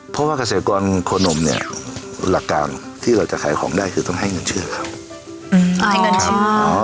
เพราะว่าเกษตรกรโคนมเนี่ยหลักการที่เราจะขายของได้คือต้องให้เงินเชื่อเขาอายเงินเขา